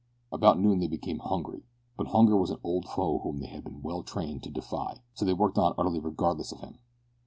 About noon they became hungry, but hunger was an old foe whom they had been well trained to defy, so they worked on utterly regardless of him.